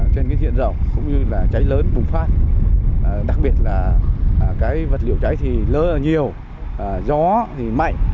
trên cái diện rộng cũng như là cháy lớn bùng phát đặc biệt là cái vật liệu cháy thì lớn là nhiều gió thì mạnh